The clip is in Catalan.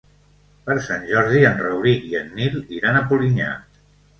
Per Sant Jordi en Rauric i en Nil iran a Polinyà.